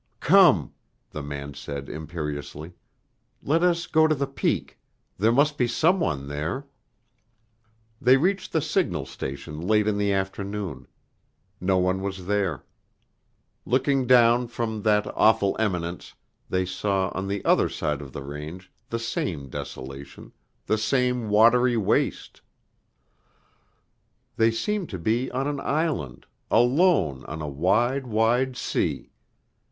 "Come," the man said imperiously. "Let us go to the Peak. There must be some one there." They reached the signal station late in the afternoon; no one was there. Looking down from that awful eminence, they saw on the other side of the range the same desolation, the same watery waste. They seemed to be on an island, alone on a wide, wide sea.